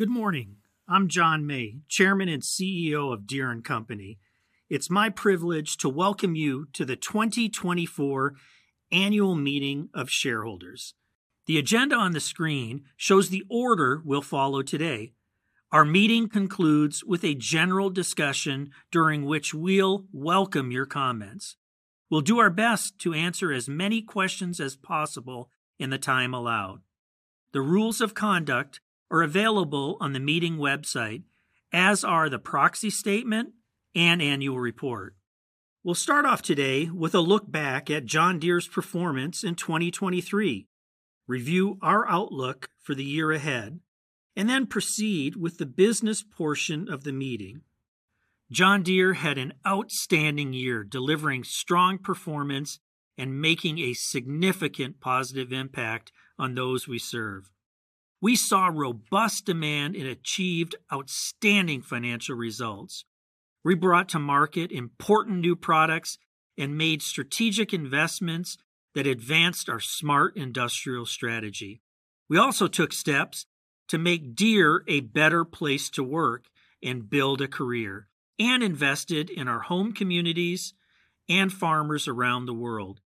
Good morning. I'm John May, Chairman and CEO of Deere & Company. It's my privilege to welcome you to the 2024 Annual Meeting of Shareholders. The agenda on the screen shows the order we'll follow today. Our meeting concludes with a general discussion, during which we'll welcome your comments. We'll do our best to answer as many questions as possible in the time allowed. The rules of conduct are available on the meeting website, as are the proxy statement and annual report. We'll start off today with a look back at John Deere's performance in 2023, review our outlook for the year ahead, and then proceed with the business portion of the meeting. John Deere had an outstanding year, delivering strong performance and making a significant positive impact on those we serve. We saw robust demand and achieved outstanding financial results. We brought to market important new products and made strategic investments that advanced our Smart Industrial strategy. We also took steps to make Deere a better place to work and build a career, and invested in our home communities and farmers around the world,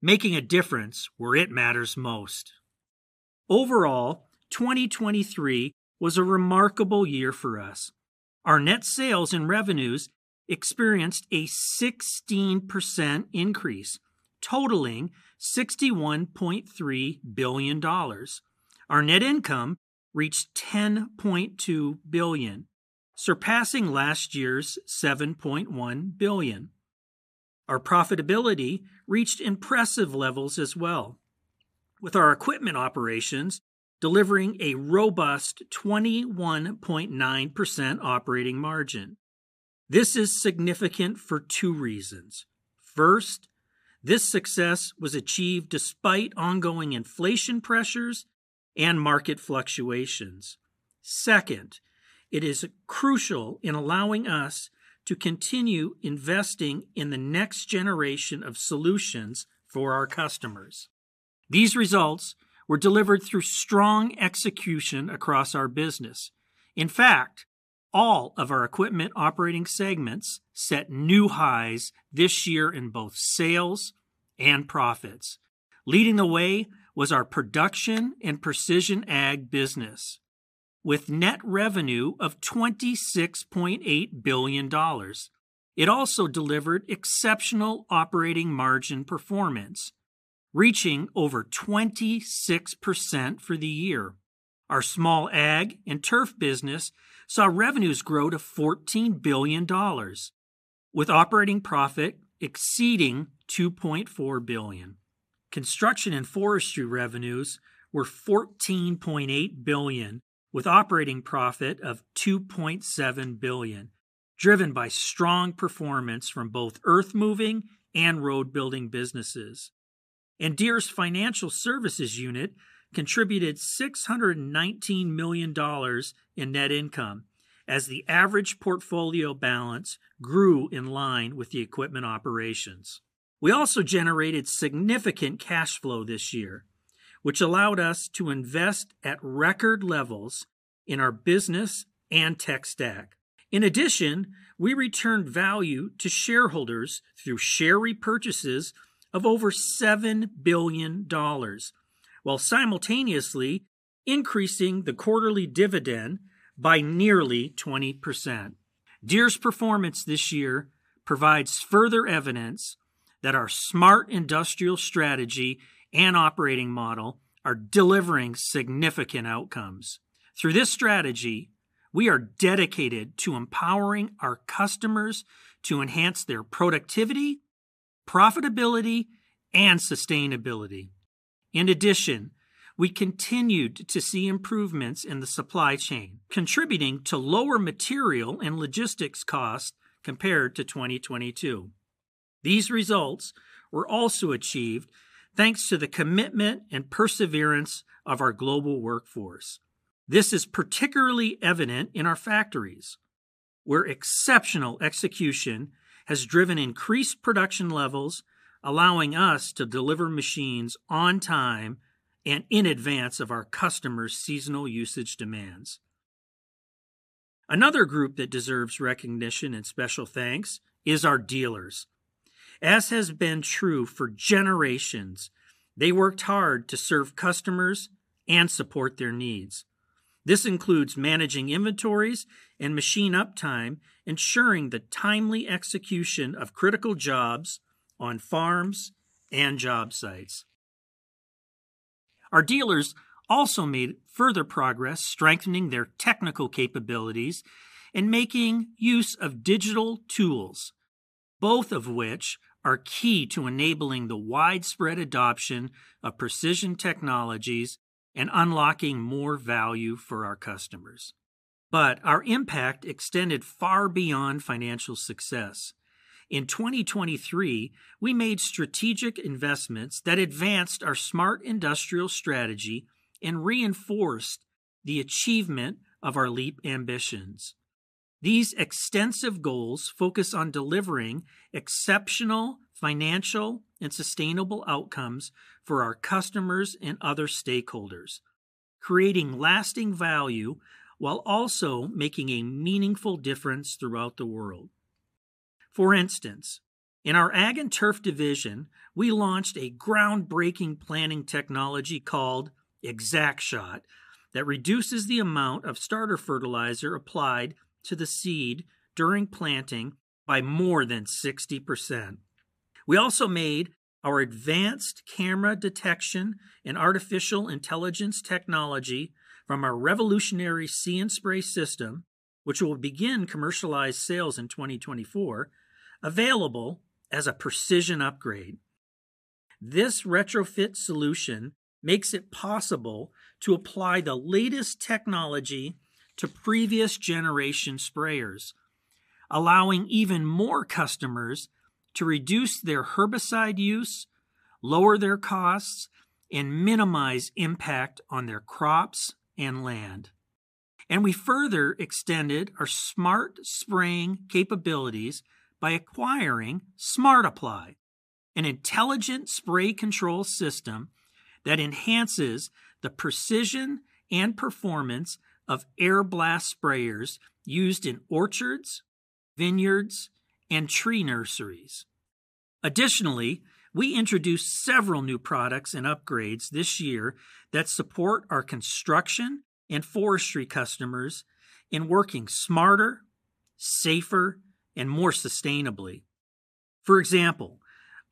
making a difference where it matters most. Overall, 2023 was a remarkable year for us. Our net sales and revenues experienced a 16% increase, totaling $61.3 billion. Our net income reached $10.2 billion, surpassing last year's $7.1 billion. Our profitability reached impressive levels as well, with our equipment operations delivering a robust 21.9% operating margin. This is significant for two reasons. First, this success was achieved despite ongoing inflation pressures and market fluctuations. Second, it is crucial in allowing us to continue investing in the next generation of solutions for our customers. These results were delivered through strong execution across our business. In fact, all of our equipment operating segments set new highs this year in both sales and profits. Leading the way was our Production and Precision Ag business, with net revenue of $26.8 billion. It also delivered exceptional operating margin performance, reaching over 26% for the year. Our Small Ag and Turf business saw revenues grow to $14 billion, with operating profit exceeding $2.4 billion. Construction and Forestry revenues were $14.8 billion, with operating profit of $2.7 billion, driven by strong performance from both earthmoving and road-building businesses. Deere's financial services unit contributed $619 million in net income as the average portfolio balance grew in line with the equipment operations. We also generated significant cash flow this year, which allowed us to invest at record levels in our business and tech stack. In addition, we returned value to shareholders through share repurchases of over $7 billion, while simultaneously increasing the quarterly dividend by nearly 20%. Deere's performance this year provides further evidence that our Smart Industrial strategy and operating model are delivering significant outcomes. Through this strategy, we are dedicated to empowering our customers to enhance their productivity, profitability, and sustainability. In addition, we continued to see improvements in the supply chain, contributing to lower material and logistics costs compared to 2022. These results were also achieved thanks to the commitment and perseverance of our global workforce. This is particularly evident in our factories, where exceptional execution has driven increased production levels, allowing us to deliver machines on time and in advance of our customers' seasonal usage demands. Another group that deserves recognition and special thanks is our dealers.... As has been true for generations, they worked hard to serve customers and support their needs. This includes managing inventories and machine uptime, ensuring the timely execution of critical jobs on farms and job sites. Our dealers also made further progress, strengthening their technical capabilities and making use of digital tools, both of which are key to enabling the widespread adoption of precision technologies and unlocking more value for our customers. But our impact extended far beyond financial success. In 2023, we made strategic investments that advanced our Smart Industrial strategy and reinforced the achievement of our Leap Ambitions. These extensive goals focus on delivering exceptional financial and sustainable outcomes for our customers and other stakeholders, creating lasting value while also making a meaningful difference throughout the world. For instance, in our Ag and Turf division, we launched a groundbreaking planning technology called ExactShot, that reduces the amount of starter fertilizer applied to the seed during planting by more than 60%. We also made our advanced camera detection and artificial intelligence technology from our revolutionary See & Spray system, which will begin commercialized sales in 2024, available as a precision upgrade. This retrofit solution makes it possible to apply the latest technology to previous generation sprayers, allowing even more customers to reduce their herbicide use, lower their costs, and minimize impact on their crops and land. We further extended our smart spraying capabilities by acquiring Smart Apply, an intelligent spray control system that enhances the precision and performance of airblast sprayers used in orchards, vineyards, and tree nurseries. Additionally, we introduced several new products and upgrades this year that support our construction and forestry customers in working smarter, safer, and more sustainably. For example,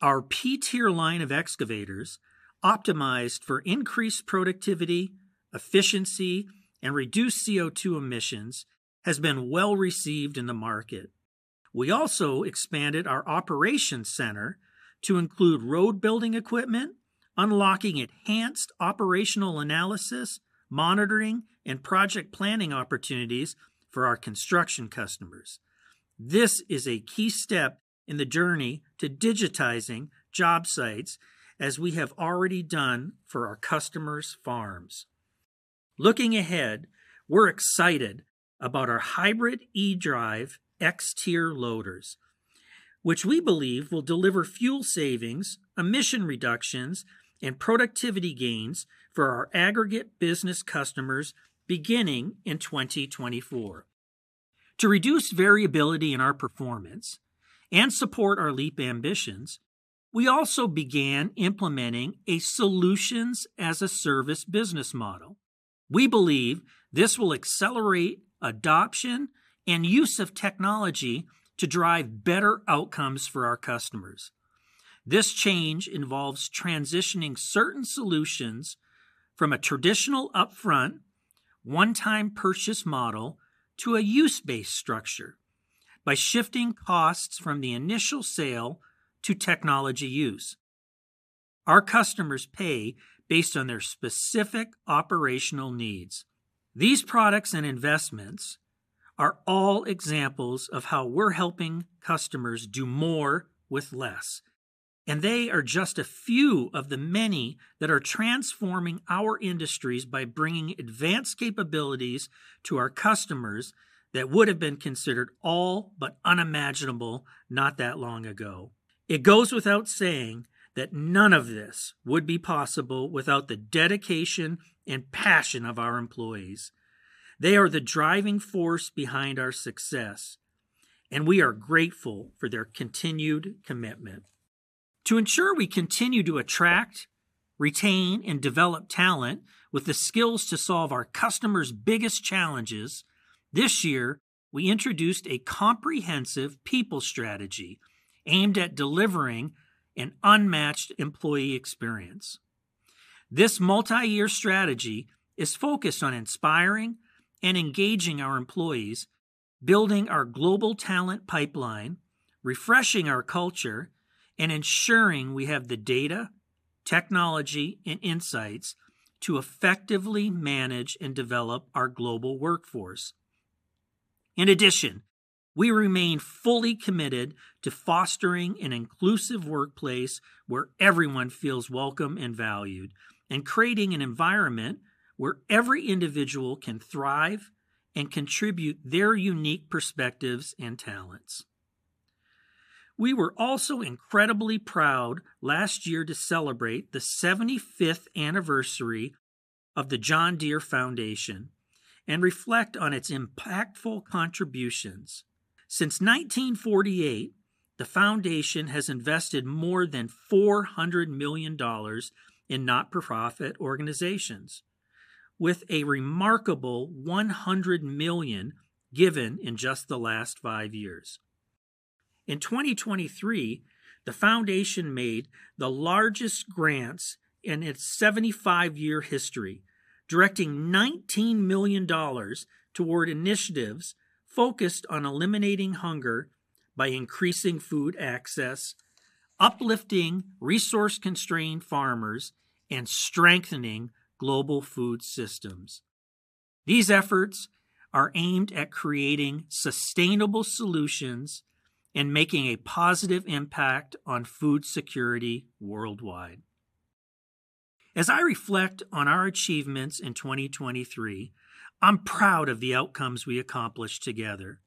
our P-Tier line of excavators, optimized for increased productivity, efficiency, and reduced CO₂ emissions, has been well-received in the market. We also expanded our Operations Center to include road-building equipment, unlocking enhanced operational analysis, monitoring, and project planning opportunities for our construction customers. This is a key step in the journey to digitizing job sites, as we have already done for our customers' farms. Looking ahead, we're excited about our hybrid E-Drive X-Tier loaders, which we believe will deliver fuel savings, emission reductions, and productivity gains for our aggregate business customers beginning in 2024. To reduce variability in our performance and support our Leap Ambitions, we also began implementing a solutions-as-a-service business model. We believe this will accelerate adoption and use of technology to drive better outcomes for our customers. This change involves transitioning certain solutions from a traditional upfront, one-time purchase model to a use-based structure. By shifting costs from the initial sale to technology use, our customers pay based on their specific operational needs. These products and investments are all examples of how we're helping customers do more with less, and they are just a few of the many that are transforming our industries by bringing advanced capabilities to our customers that would have been considered all but unimaginable not that long ago. It goes without saying that none of this would be possible without the dedication and passion of our employees. They are the driving force behind our success, and we are grateful for their continued commitment. To ensure we continue to attract, retain, and develop talent with the skills to solve our customers' biggest challenges, this year, we introduced a comprehensive people strategy aimed at delivering an unmatched employee experience. This multi-year strategy is focused on inspiring and engaging our employees, building our global talent pipeline, refreshing our culture, and ensuring we have the data, technology, and insights to effectively manage and develop our global workforce. In addition, we remain fully committed to fostering an inclusive workplace where everyone feels welcome and valued, and creating an environment where every individual can thrive and contribute their unique perspectives and talents. We were also incredibly proud last year to celebrate the 75th anniversary of the John Deere Foundation and reflect on its impactful contributions. Since 1948, the foundation has invested more than $400 million in not-for-profit organizations, with a remarkable $100 million given in just the last five years. In 2023, the foundation made the largest grants in its 75-year history, directing $19 million toward initiatives focused on eliminating hunger by increasing food access, uplifting resource-constrained farmers, and strengthening global food systems. These efforts are aimed at creating sustainable solutions and making a positive impact on food security worldwide. As I reflect on our achievements in 2023, I'm proud of the outcomes we accomplished together.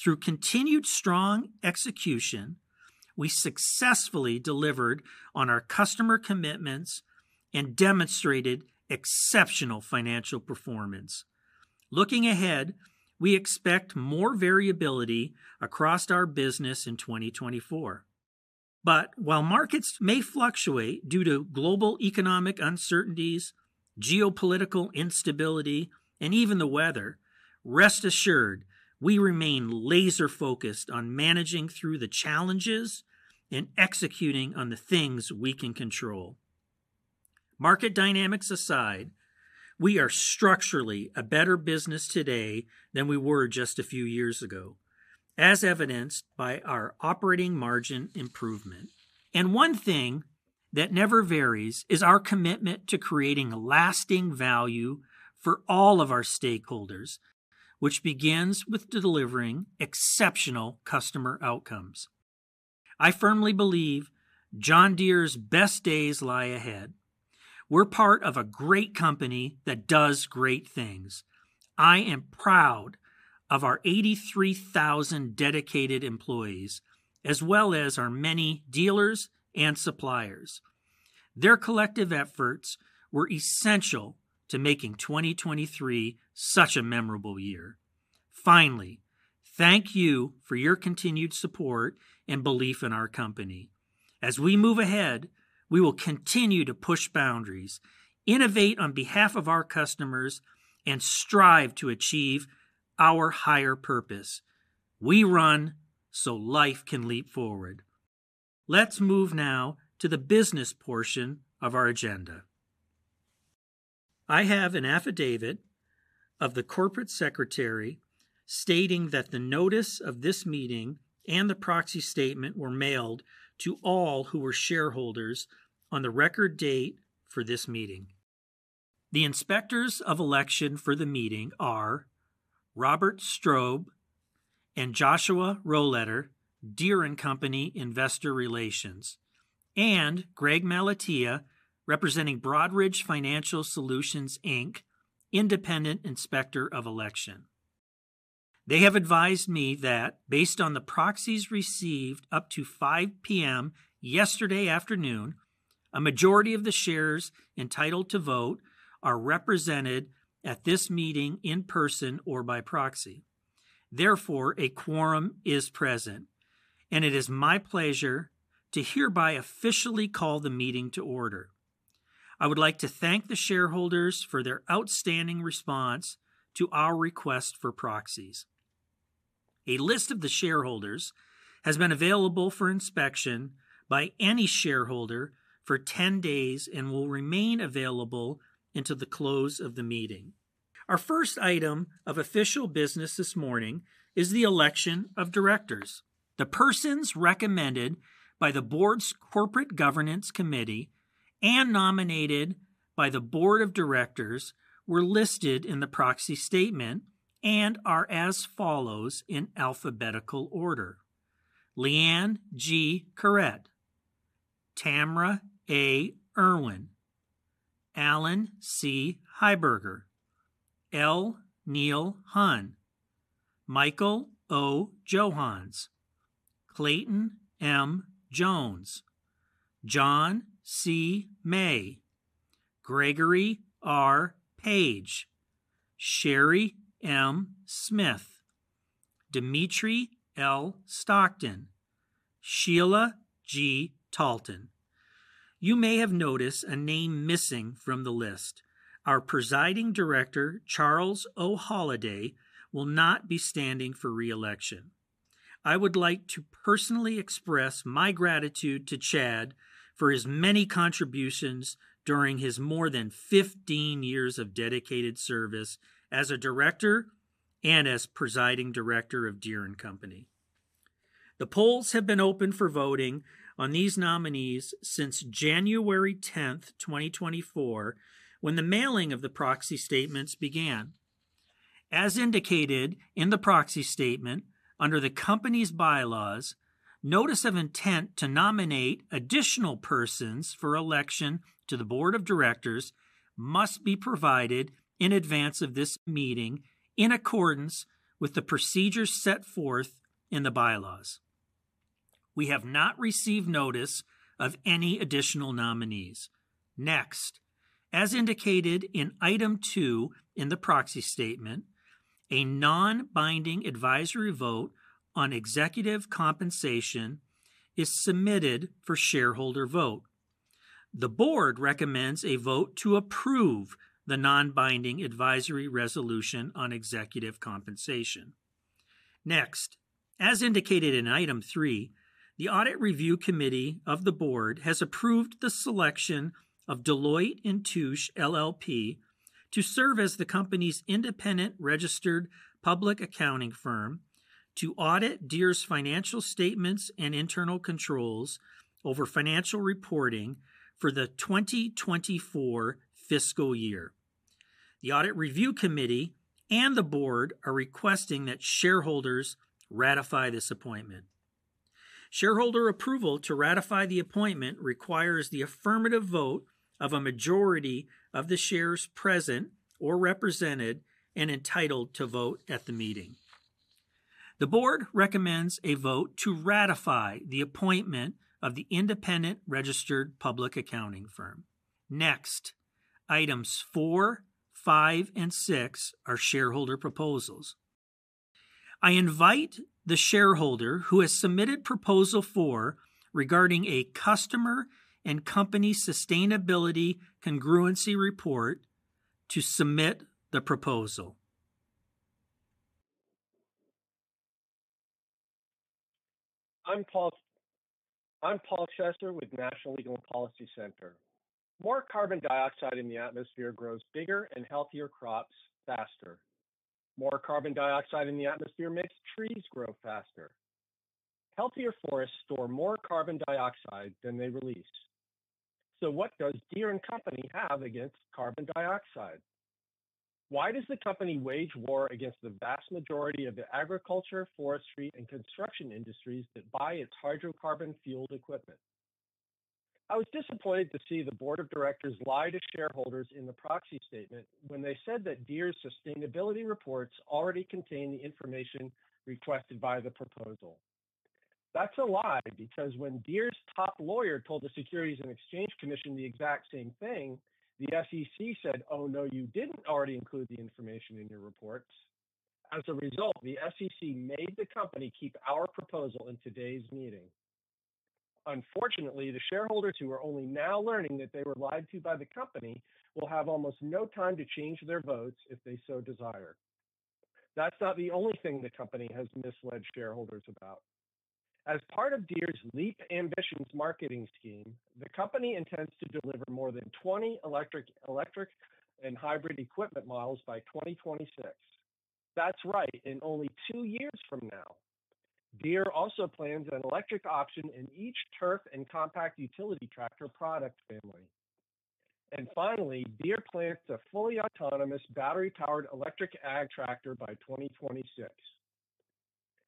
Through continued strong execution, we successfully delivered on our customer commitments and demonstrated exceptional financial performance. Looking ahead, we expect more variability across our business in 2024. But while markets may fluctuate due to global economic uncertainties, geopolitical instability, and even the weather, rest assured we remain laser-focused on managing through the challenges and executing on the things we can control. Market dynamics aside, we are structurally a better business today than we were just a few years ago, as evidenced by our operating margin improvement. One thing that never varies is our commitment to creating lasting value for all of our stakeholders, which begins with delivering exceptional customer outcomes. I firmly believe John Deere's best days lie ahead. We're part of a great company that does great things. I am proud of our 83,000 dedicated employees, as well as our many dealers and suppliers. Their collective efforts were essential to making 2023 such a memorable year. Finally, thank you for your continued support and belief in our company. As we move ahead, we will continue to push boundaries, innovate on behalf of our customers, and strive to achieve our higher purpose: We run so life can leap forward. Let's move now to the business portion of our agenda. I have an affidavit of the corporate secretary stating that the notice of this meeting and the proxy statement were mailed to all who were shareholders on the record date for this meeting. The Inspectors of Election for the meeting are Robert Strode and Joshua Rohleder, Deere & Company Investor Relations, and Greg Malatia, representing Broadridge Financial Solutions Inc., independent Inspector of Election. They have advised me that based on the proxies received up to 5:00 P.M. yesterday afternoon, a majority of the shares entitled to vote are represented at this meeting in person or by proxy. Therefore, a quorum is present, and it is my pleasure to hereby officially call the meeting to order. I would like to thank the shareholders for their outstanding response to our request for proxies. A list of the shareholders has been available for inspection by any shareholder for 10 days and will remain available until the close of the meeting. Our first item of official business this morning is the election of directors. The persons recommended by the board's Corporate Governance Committee and nominated by the board of directors were listed in the Proxy Statement and are as follows in alphabetical order: Leanne G. Caret, Tami A. Erwin, Alan C. Heuberger, L. Neil Hunn, Michael O. Johanns, Clayton M. Jones, John C. May, Gregory R. Page, Sherry M. Smith, Dmitri L. Stockton, Sheila G. Talton. You may have noticed a name missing from the list. Our presiding director, Charles O. Holliday, will not be standing for re-election. I would like to personally express my gratitude to Charles for his many contributions during his more than 15 years of dedicated service as a director and as Presiding Director of Deere & Company. The polls have been open for voting on these nominees since January 10th, 2024, when the mailing of the proxy statements began. As indicated in the proxy statement, under the company's bylaws, notice of intent to nominate additional persons for election to the board of directors must be provided in advance of this meeting, in accordance with the procedures set forth in the bylaws. We have not received notice of any additional nominees. Next, as indicated in Item two in the proxy statement, a non-binding advisory vote on executive compensation is submitted for shareholder vote. The board recommends a vote to approve the non-binding advisory resolution on executive compensation. Next, as indicated in item three, the Audit Review Committee of the board has approved the selection of Deloitte & Touche LLP to serve as the company's independent registered public accounting firm to audit Deere's financial statements and internal controls over financial reporting for the 2024 fiscal year. The Audit Review Committee and the board are requesting that shareholders ratify this appointment. Shareholder approval to ratify the appointment requires the affirmative vote of a majority of the shares present or represented and entitled to vote at the meeting. The board recommends a vote to ratify the appointment of the independent registered public accounting firm. Next, items four, five, and six are shareholder proposals. I invite the shareholder who has submitted proposal four, regarding a customer and company sustainability congruency report, to submit the proposal. I'm Paul, I'm Paul Chesser with National Legal and Policy Center. More carbon dioxide in the atmosphere grows bigger and healthier crops faster. More carbon dioxide in the atmosphere makes trees grow faster. Healthier forests store more carbon dioxide than they release. So what does Deere & Company have against carbon dioxide? Why does the company wage war against the vast majority of the agriculture, forestry, and construction industries that buy its hydrocarbon-fueled equipment? I was disappointed to see the board of directors lie to shareholders in the proxy statement when they said that Deere's sustainability reports already contain the information requested by the proposal. That's a lie, because when Deere's top lawyer told the Securities and Exchange Commission the exact same thing, the SEC said, "Oh, no, you didn't already include the information in your reports." As a result, the SEC made the company keep our proposal in today's meeting. Unfortunately, the shareholders who are only now learning that they were lied to by the company will have almost no time to change their votes if they so desire. That's not the only thing the company has misled shareholders about. As part of Deere's LEAP Ambitions marketing scheme, the company intends to deliver more than 20 electric, electric and hybrid equipment models by 2026. That's right, in only two years from now. Deere also plans an electric option in each turf and compact utility tractor product family. And finally, Deere plans a fully autonomous, battery-powered electric ag tractor by 2026.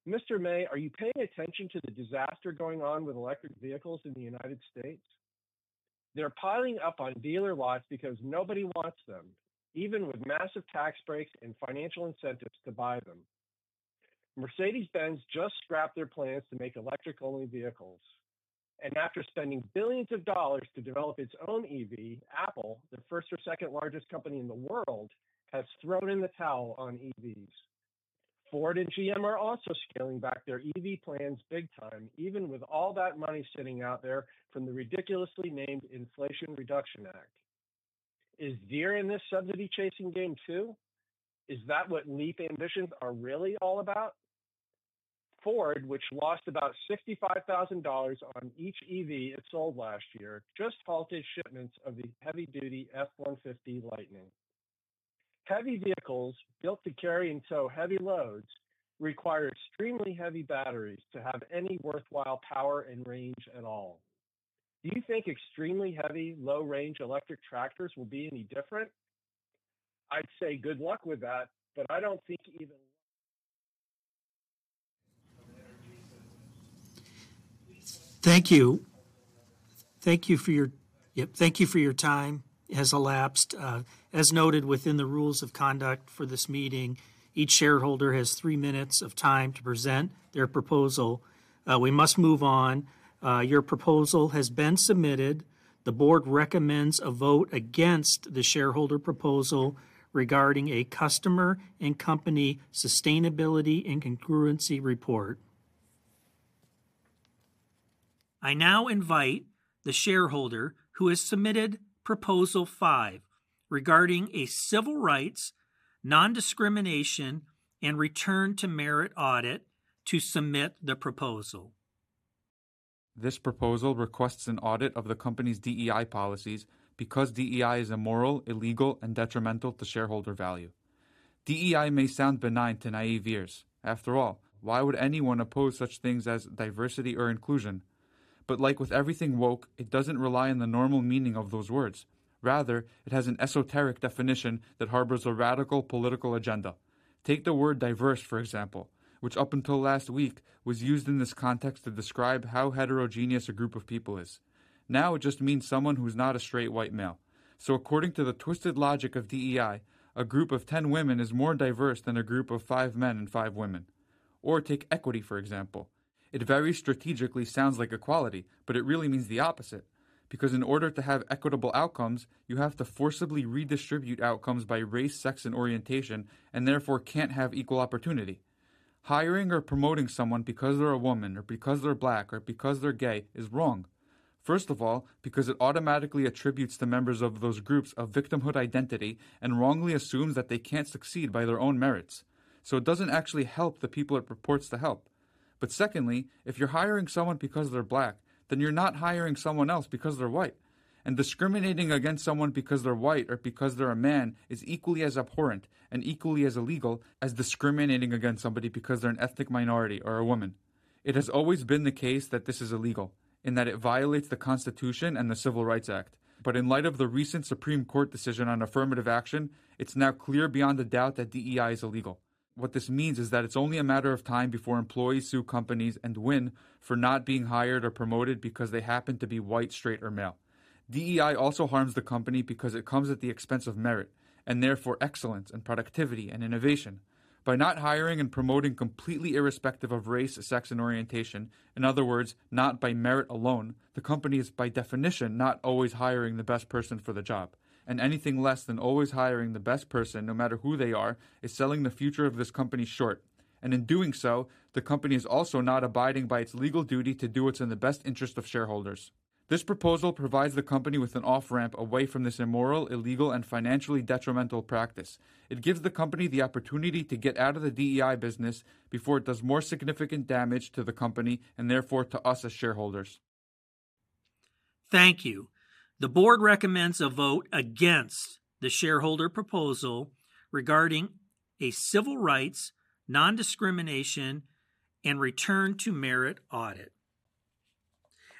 Mr. May, are you paying attention to the disaster going on with electric vehicles in the United States? They're piling up on dealer lots because nobody wants them, even with massive tax breaks and financial incentives to buy them. Mercedes-Benz just scrapped their plans to make electric-only vehicles, and after spending billions of dollars to develop its own EV, Apple, the first or second largest company in the world, has thrown in the towel on EVs. Ford and GM are also scaling back their EV plans big time, even with all that money sitting out there from the ridiculously named Inflation Reduction Act. Is Deere in this subsidy-chasing game, too? Is that what LEAP Ambitions are really all about? Ford, which lost about $65,000 on each EV it sold last year, just halted shipments of the heavy-duty F-150 Lightning. Heavy vehicles built to carry and tow heavy loads require extremely heavy batteries to have any worthwhile power and range at all. Do you think extremely heavy, low-range electric tractors will be any different? I'd say good luck with that, but I don't think even- Thank you. Thank you, your time has elapsed. As noted within the rules of conduct for this meeting, each shareholder has three minutes of time to present their proposal. We must move on. Your proposal has been submitted. The board recommends a vote against the shareholder proposal regarding a customer and company sustainability and congruency report. I now invite the shareholder who has submitted proposal five, regarding a civil rights, non-discrimination, and return to merit audit, to submit the proposal. This proposal requests an audit of the company's DEI policies because DEI is immoral, illegal, and detrimental to shareholder value. DEI may sound benign to naive ears. After all, why would anyone oppose such things as diversity or inclusion? But like with everything woke, it doesn't rely on the normal meaning of those words. Rather, it has an esoteric definition that harbors a radical political agenda. Take the word diverse, for example, which up until last week was used in this context to describe how heterogeneous a group of people is. Now, it just means someone who's not a straight white male. So according to the twisted logic of DEI, a group of 10 women is more diverse than a group of five men and five women.... or take equity, for example. It very strategically sounds like equality, but it really means the opposite, because in order to have equitable outcomes, you have to forcibly redistribute outcomes by race, sex, and orientation, and therefore, can't have equal opportunity. Hiring or promoting someone because they're a woman, or because they're Black, or because they're gay, is wrong. First of all, because it automatically attributes to members of those groups a victimhood identity and wrongly assumes that they can't succeed by their own merits. So it doesn't actually help the people it purports to help. But secondly, if you're hiring someone because they're Black, then you're not hiring someone else because they're white. And discriminating against someone because they're white or because they're a man is equally as abhorrent and equally as illegal as discriminating against somebody because they're an ethnic minority or a woman. It has always been the case that this is illegal, and that it violates the Constitution and the Civil Rights Act. But in light of the recent Supreme Court decision on affirmative action, it's now clear beyond a doubt that DEI is illegal. What this means is that it's only a matter of time before employees sue companies and win for not being hired or promoted because they happen to be white, straight, or male. DEI also harms the company because it comes at the expense of merit, and therefore excellence and productivity and innovation. By not hiring and promoting completely irrespective of race, sex, and orientation, in other words, not by merit alone, the company is by definition, not always hiring the best person for the job, and anything less than always hiring the best person, no matter who they are, is selling the future of this company short. In doing so, the company is also not abiding by its legal duty to do what's in the best interest of shareholders. This proposal provides the company with an off-ramp away from this immoral, illegal, and financially detrimental practice. It gives the company the opportunity to get out of the DEI business before it does more significant damage to the company, and therefore, to us as shareholders. Thank you. The Board recommends a vote against the shareholder proposal regarding a civil rights, non-discrimination, and return to merit audit.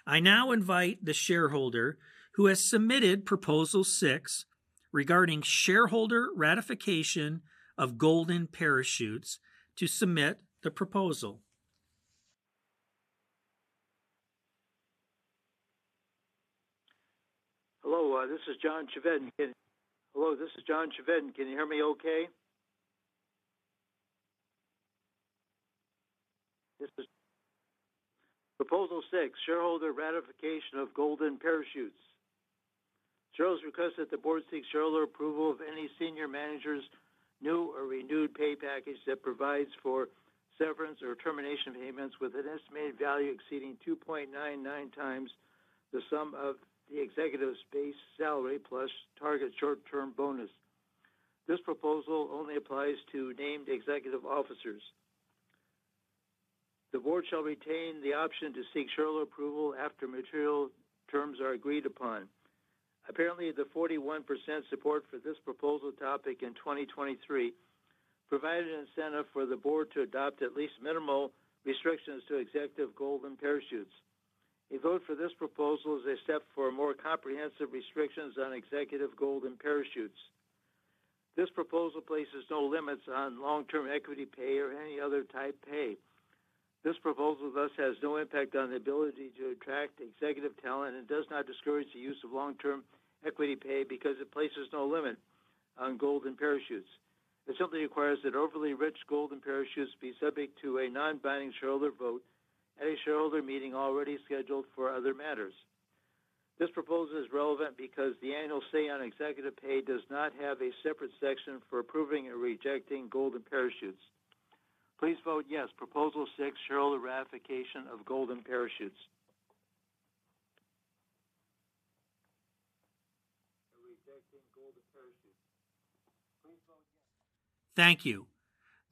I now invite the shareholder who has submitted Proposal Six, regarding shareholder ratification of golden parachutes, to submit the proposal. Hello, this is John Chevedden. Hello, this is John Chevedden. Can you hear me okay? Proposal Six: Shareholder Ratification of Golden Parachutes. Shareholders request that the board seeks shareholder approval of any senior manager's new or renewed pay package that provides for severance or termination payments with an estimated value exceeding 2.99 times the sum of the executive's base salary plus target short-term bonus. This proposal only applies to named executive officers. The board shall retain the option to seek shareholder approval after material terms are agreed upon. Apparently, the 41% support for this proposal topic in 2023 provided an incentive for the board to adopt at least minimal restrictions to executive golden parachutes. A vote for this proposal is a step for more comprehensive restrictions on executive golden parachutes. This proposal places no limits on long-term equity pay or any other type pay. This proposal, thus, has no impact on the ability to attract executive talent and does not discourage the use of long-term equity pay because it places no limit on golden parachutes. It simply requires that overly rich golden parachutes be subject to a non-binding shareholder vote at a shareholder meeting already scheduled for other matters. This proposal is relevant because the annual say on executive pay does not have a separate section for approving or rejecting golden parachutes. Please vote yes. Proposal Six, shareholder ratification of golden parachutes. Thank you.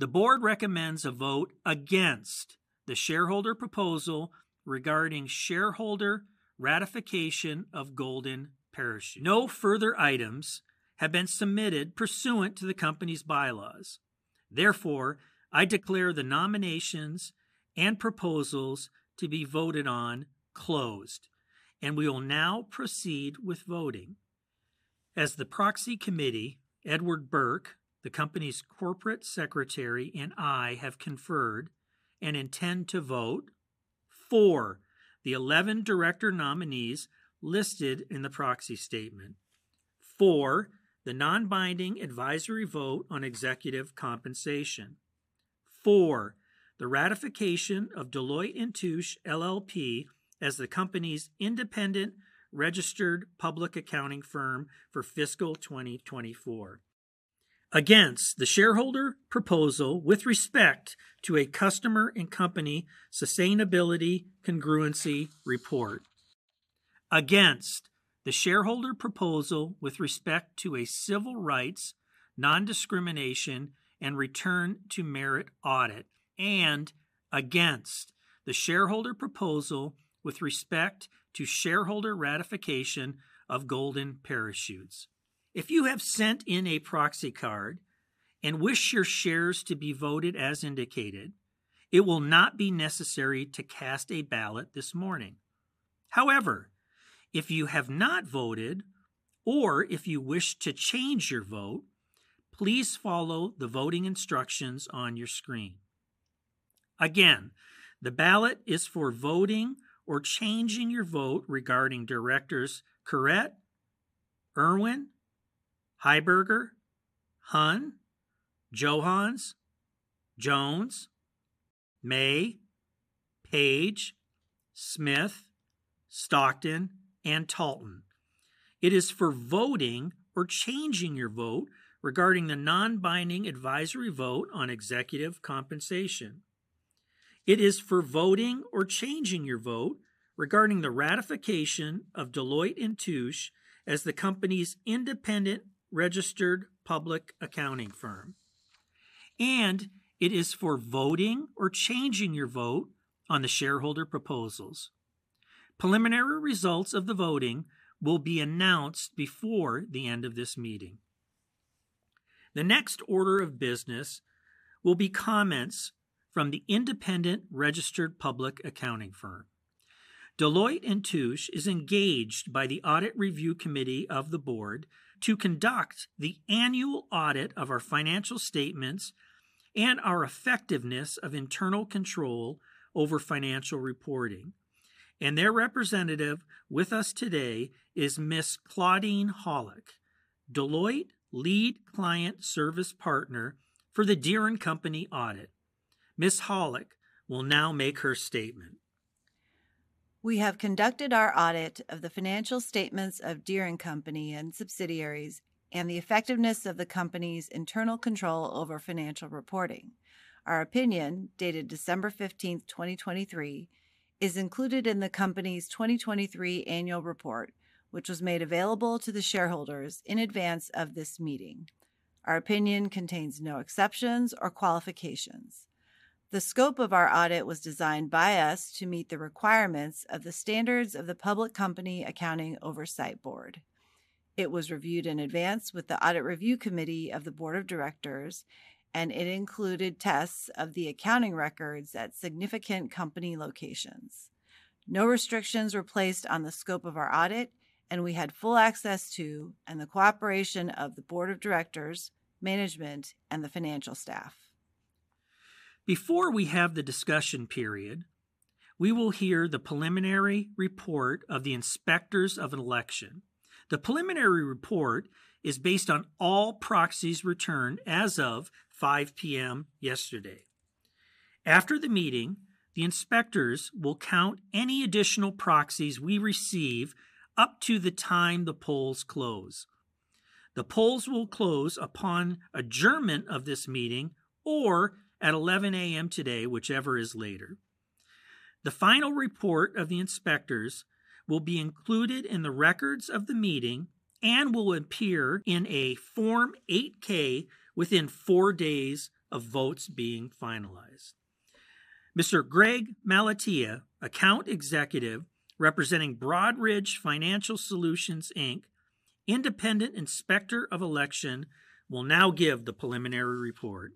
The board recommends a vote against the shareholder proposal regarding shareholder ratification of golden parachute. No further items have been submitted pursuant to the company's bylaws. Therefore, I declare the nominations and proposals to be voted on closed, and we will now proceed with voting. As the proxy committee, Edward Berk, the company's corporate secretary, and I have conferred and intend to vote for the 11 director nominees listed in the proxy statement, for the non-binding advisory vote on executive compensation, for the ratification of Deloitte & Touche LLP as the company's independent registered public accounting firm for fiscal 2024, against the shareholder proposal with respect to a customer and company sustainability congruency report, against the shareholder proposal with respect to a civil rights, non-discrimination, and return to merit audit, and against the shareholder proposal with respect to shareholder ratification of golden parachutes. If you have sent in a proxy card and wish your shares to be voted as indicated, it will not be necessary to cast a ballot this morning. However, if you have not voted or if you wish to change your vote, please follow the voting instructions on your screen. Again, the ballot is for voting or changing your vote regarding Directors Caret, Erwin, Heuberger, Hunn, Johanns, Jones, May, Page, Smith, Stockton, and Talton. It is for voting or changing your vote regarding the non-binding advisory vote on executive compensation. It is for voting or changing your vote regarding the ratification of Deloitte & Touche as the company's independent registered public accounting firm, and it is for voting or changing your vote on the shareholder proposals. Preliminary results of the voting will be announced before the end of this meeting. The next order of business will be comments from the independent registered public accounting firm. Deloitte & Touche is engaged by the Audit Review Committee of the board to conduct the annual audit of our financial statements and our effectiveness of internal control over financial reporting, and their representative with us today is Ms. Claudine Hollack, Deloitte Lead Client Service Partner for the Deere & Company audit. Ms. Hollack will now make her statement. We have conducted our audit of the financial statements of Deere & Company and subsidiaries and the effectiveness of the company's internal control over financial reporting. Our opinion, dated December 15th, 2023, is included in the company's 2023 annual report, which was made available to the shareholders in advance of this meeting. Our opinion contains no exceptions or qualifications. The scope of our audit was designed by us to meet the requirements of the standards of the Public Company Accounting Oversight Board. It was reviewed in advance with the Audit Review Committee of the Board of Directors, and it included tests of the accounting records at significant company locations. No restrictions were placed on the scope of our audit, and we had full access to and the cooperation of the board of directors, management, and the financial staff. Before we have the discussion period, we will hear the preliminary report of the inspectors of an election. The preliminary report is based on all proxies returned as of 5:00 P.M. yesterday. After the meeting, the inspectors will count any additional proxies we receive up to the time the polls close. The polls will close upon adjournment of this meeting or at 11:00 A.M. today, whichever is later. The final report of the inspectors will be included in the records of the meeting and will appear in a Form 8-K within 4 days of votes being finalized. Mr. Greg Malatia, Account Executive, representing Broadridge Financial Solutions, Inc., independent inspector of election, will now give the preliminary report.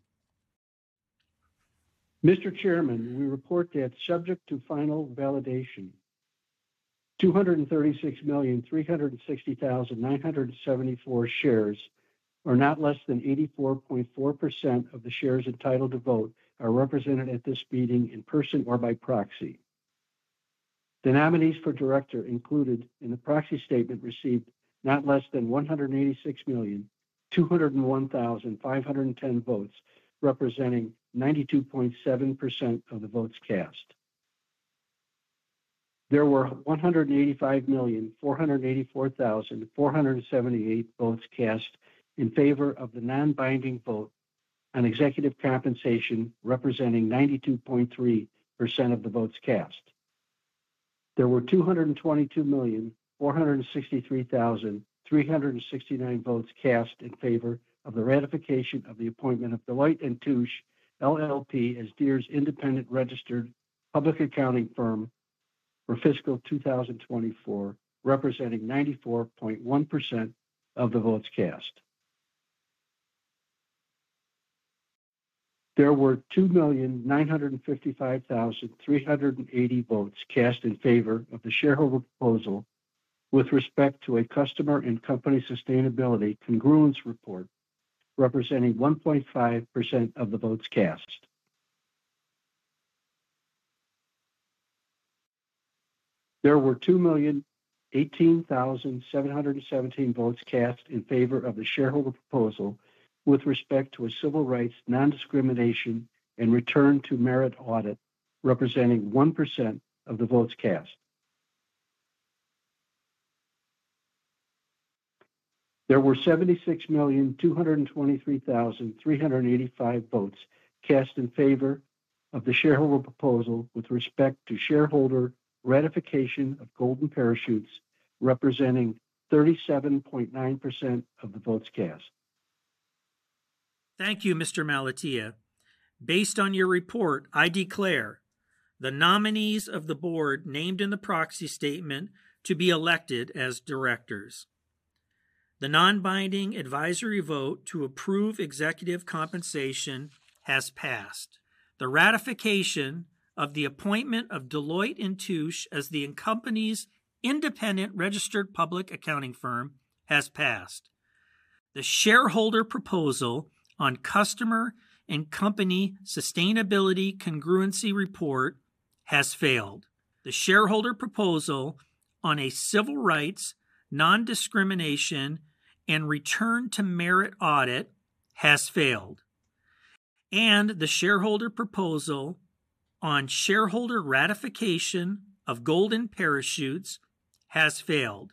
Mr. Chairman, we report that subject to final validation, 236,360,974 shares, or not less than 84.4% of the shares entitled to vote, are represented at this meeting in person or by proxy. The nominees for director included in the proxy statement received not less than 186,201,510 votes, representing 92.7% of the votes cast. There were 185,484,478 votes cast in favor of the non-binding vote on executive compensation, representing 92.3% of the votes cast. There were 222,463,369 votes cast in favor of the ratification of the appointment of Deloitte & Touche LLP as Deere's independent registered public accounting firm for fiscal 2024, representing 94.1% of the votes cast. There were 2,955,380 votes cast in favor of the shareholder proposal with respect to a customer and company sustainability congruence report, representing 1.5% of the votes cast. There were 2,018,717 votes cast in favor of the shareholder proposal with respect to a civil rights, non-discrimination, and return to merit audit, representing 1% of the votes cast. There were 76,223,385 votes cast in favor of the shareholder proposal with respect to shareholder ratification of golden parachutes, representing 37.9% of the votes cast. Thank you, Mr. Malatia. Based on your report, I declare the nominees of the board named in the proxy statement to be elected as directors. The non-binding advisory vote to approve executive compensation has passed. The ratification of the appointment of Deloitte & Touche as the company's independent registered public accounting firm has passed. The shareholder proposal on customer and company sustainability congruency report has failed. The shareholder proposal on a civil rights, non-discrimination, and return to merit audit has failed. The shareholder proposal on shareholder ratification of golden parachutes has failed.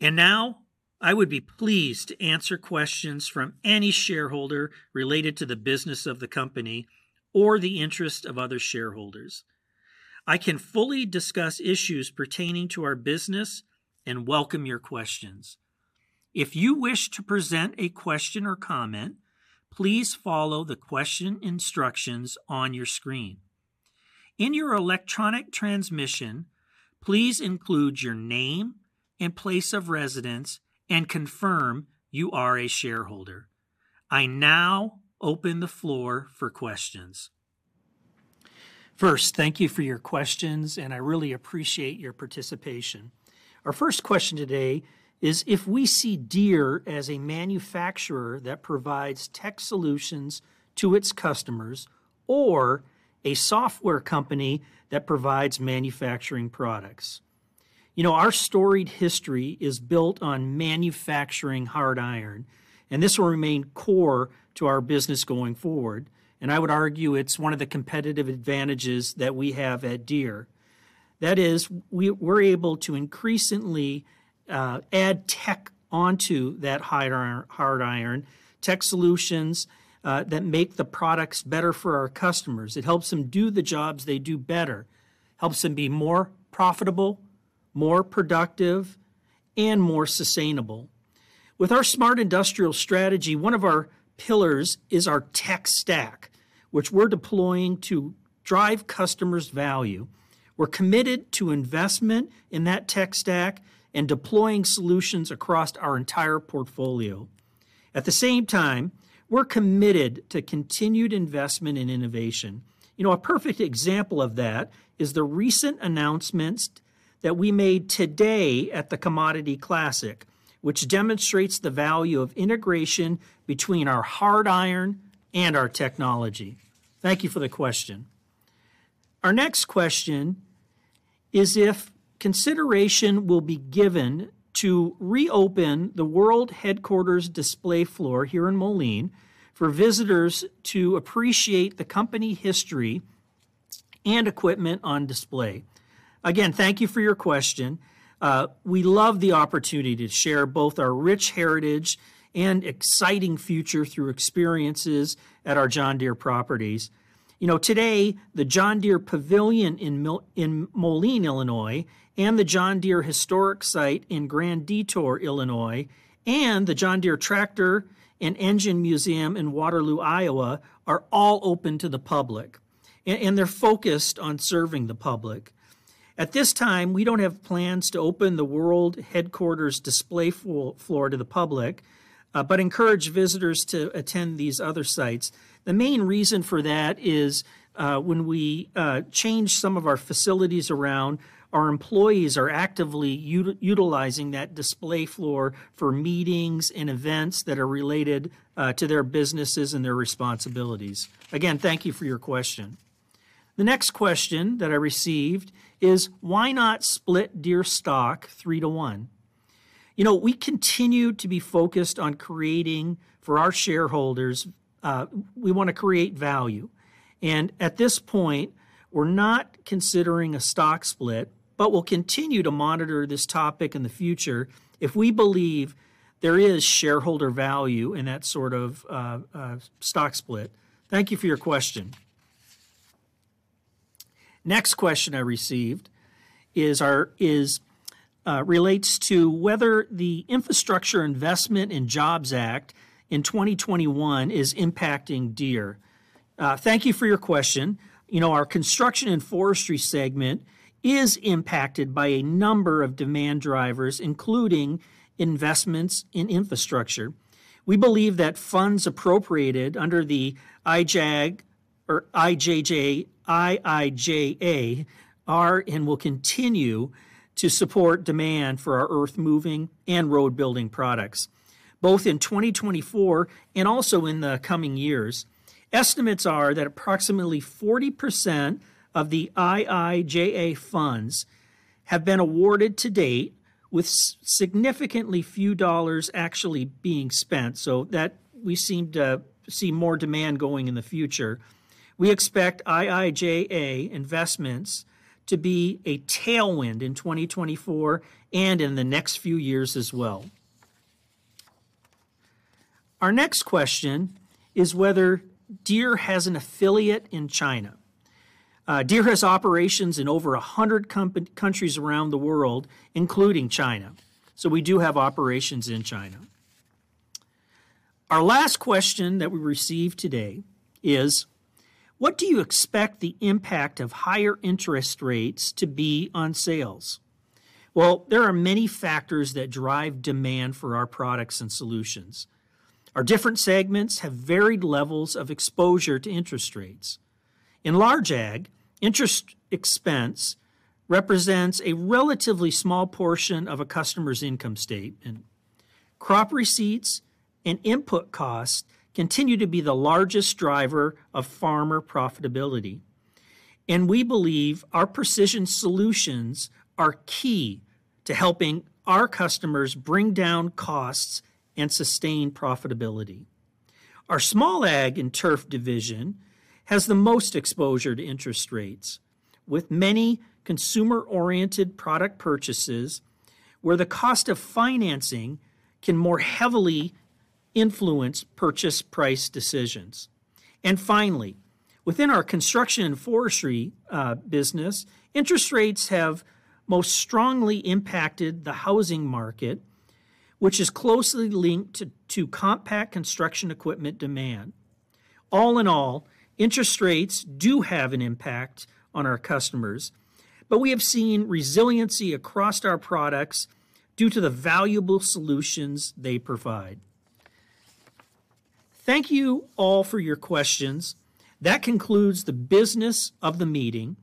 Now, I would be pleased to answer questions from any shareholder related to the business of the company or the interest of other shareholders. I can fully discuss issues pertaining to our business and welcome your questions. If you wish to present a question or comment, please follow the question instructions on your screen. In your electronic transmission, please include your name and place of residence, and confirm you are a shareholder. I now open the floor for questions. First, thank you for your questions, and I really appreciate your participation. Our first question today is if we see Deere as a manufacturer that provides tech solutions to its customers or a software company that provides manufacturing products? You know, our storied history is built on manufacturing hard iron, and this will remain core to our business going forward, and I would argue it's one of the competitive advantages that we have at Deere. That is, we're able to increasingly add tech onto that hard iron, tech solutions, that make the products better for our customers. It helps them do the jobs they do better, helps them be more profitable, more productive, and more sustainable. With our Smart Industrial strategy, one of our pillars is our tech stack, which we're deploying to drive customers value. We're committed to investment in that tech stack and deploying solutions across our entire portfolio. At the same time, we're committed to continued investment in innovation. You know, a perfect example of that is the recent announcements that we made today at the Commodity Classic, which demonstrates the value of integration between our hard iron and our technology. Thank you for the question. Our next question is if consideration will be given to reopen the World Headquarters display floor here in Moline, for visitors to appreciate the company history and equipment on display. Again, thank you for your question. We love the opportunity to share both our rich heritage and exciting future through experiences at our John Deere properties. You know, today, the John Deere Pavilion in Moline, Illinois, and the John Deere Historic Site in Grand Detour, Illinois, and the John Deere Tractor and Engine Museum in Waterloo, Iowa, are all open to the public, and they're focused on serving the public. At this time, we don't have plans to open the World Headquarters display floor to the public, but encourage visitors to attend these other sites. The main reason for that is, when we change some of our facilities around, our employees are actively utilizing that display floor for meetings and events that are related to their businesses and their responsibilities. Again, thank you for your question. The next question that I received is: Why not split Deere stock 3-to-1? You know, we continue to be focused on creating for our shareholders. We want to create value, and at this point, we're not considering a stock split, but we'll continue to monitor this topic in the future if we believe there is shareholder value in that sort of stock split. Thank you for your question. Next question I received is—relates to whether the Infrastructure Investment and Jobs Act in 2021 is impacting Deere. Thank you for your question. You know, our construction and forestry segment is impacted by a number of demand drivers, including investments in infrastructure. We believe that funds appropriated under the IIJA are and will continue to support demand for our earthmoving and road-building products, both in 2024 and also in the coming years. Estimates are that approximately 40% of the IIJA funds have been awarded to date, with significantly few dollars actually being spent, so that we seem to see more demand going in the future. We expect IIJA investments to be a tailwind in 2024 and in the next few years as well. Our next question is whether Deere has an affiliate in China. Deere has operations in over 100 countries around the world, including China, so we do have operations in China. Our last question that we received today is: What do you expect the impact of higher interest rates to be on sales? Well, there are many factors that drive demand for our products and solutions. Our different segments have varied levels of exposure to interest rates. In large ag, interest expense represents a relatively small portion of a customer's income statement. Crop receipts and input costs continue to be the largest driver of farmer profitability, and we believe our precision solutions are key to helping our customers bring down costs and sustain profitability. Our small ag and turf division has the most exposure to interest rates, with many consumer-oriented product purchases, where the cost of financing can more heavily influence purchase price decisions. Finally, within our construction and forestry business, interest rates have most strongly impacted the housing market, which is closely linked to compact construction equipment demand. All in all, interest rates do have an impact on our customers, but we have seen resiliency across our products due to the valuable solutions they provide. Thank you all for your questions. That concludes the business of the meeting.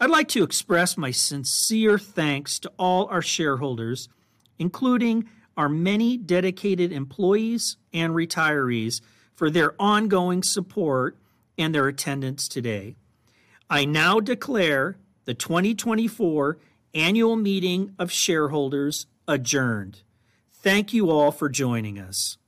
I'd like to express my sincere thanks to all our shareholders, including our many dedicated employees and retirees, for their ongoing support and their attendance today. I now declare the 2024 Annual Meeting of Shareholders adjourned. Thank you all for joining us.